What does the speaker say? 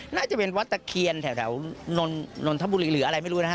น่าจะเป็นวัดตะเคียนแถวนนทบุรีหรืออะไรไม่รู้นะฮะ